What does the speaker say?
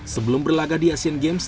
sebelum berlaga di asian games